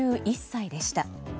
１１１歳でした。